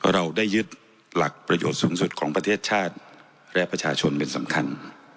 เราได้ยึดหลักประโยชน์สูงสุดของประเทศชาติและประชาชนเป็นสำคัญ